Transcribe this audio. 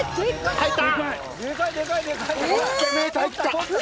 入った。